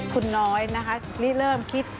คุณน้อยนะคะนี่เริ่มคิด